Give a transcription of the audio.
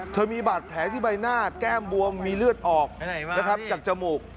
มีบาดแผลที่ใบหน้าแก้มบวมมีเลือดออกนะครับจากจมูก